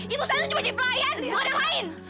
ibu saya tuh cuma cip lain bukan yang lain